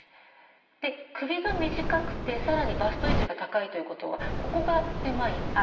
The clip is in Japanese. で首が短くてさらにバスト位置が高いということはここが狭いんです。